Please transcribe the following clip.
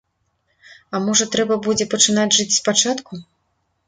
А можа трэба будзе пачынаць жыць спачатку?